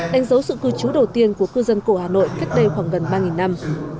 đánh dấu sự cư trú đầu tiên của cư dân cổ hà nội cách đây khoảng gần ba năm